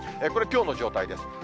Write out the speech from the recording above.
これ、きょうの状態です。